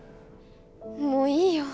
もういいよ。